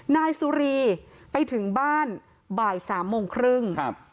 นายสุรีไปถึงบ้านบ่าย๓โมงครึ่ง